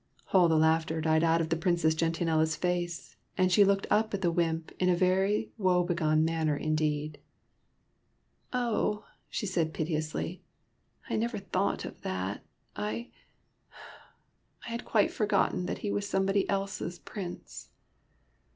All the laughter died out of Princess Gen tianella's face, and she looked up at the wymp in a very woe begone manner indeed. " Oh," she said piteously, " I never thought of that. I — I had quite forgotten that he was somebody else's Prince."